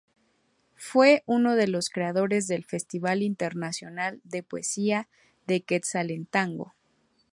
Fue uno de los creadores del Festival Internacional de Poesía de Quetzaltenango.